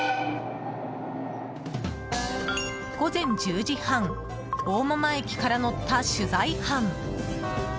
午前１０時半大間々駅から乗った取材班。